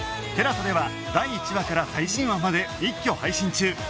ＴＥＬＡＳＡ では第１話から最新話まで一挙配信中